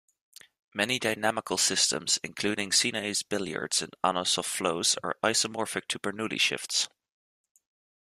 Many dynamical systems, including Sinai's billiards and Anosov flows are isomorphic to Bernoulli shifts.